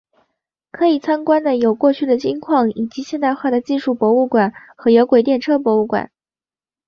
可以参观的有过去的金矿以及现代化的技术博物馆和有轨电车博物馆。